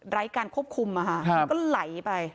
ไร้การควบคุมอะค่ะก็ไหลไป